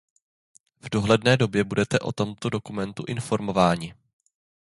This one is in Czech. V dohledné době budete o tomto dokumentu informováni.